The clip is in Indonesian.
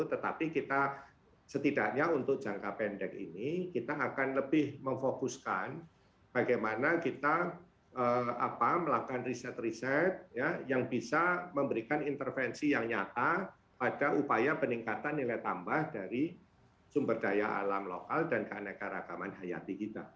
tetapi kita setidaknya untuk jangka pendek ini kita akan lebih memfokuskan bagaimana kita melakukan riset riset yang bisa memberikan intervensi yang nyata pada upaya peningkatan nilai tambah dari sumber daya alam lokal dan keanekaragaman hayati kita